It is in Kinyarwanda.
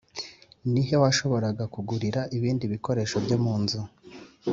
Ni he washoboraga kugurira ibindi bikoresho byo mu nzu